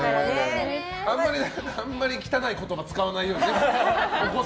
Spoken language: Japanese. あまり汚い言葉を使わないようにね。